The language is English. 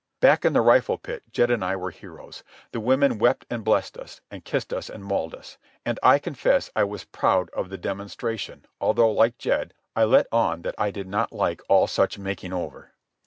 Back in the rifle pit Jed and I were heroes. The women wept and blessed us, and kissed us and mauled us. And I confess I was proud of the demonstration, although, like Jed, I let on that I did not like all such making over.